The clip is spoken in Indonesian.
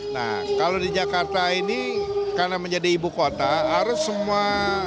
nah kalau di jakarta ini karena menjadi ibu kota harus semua